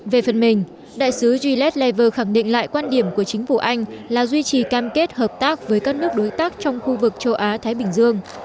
về phần mình đại sứ gillette lever khẳng định lại quan điểm của chính phủ anh là duy trì cam kết hợp tác với các nước đối tác trong khu vực châu á thái bình dương